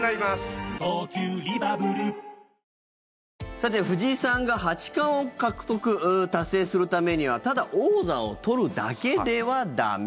さて、藤井さんが八冠を獲得、達成するためにはただ、王座を取るだけでは駄目。